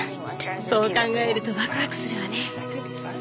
そう考えるとワクワクするわね！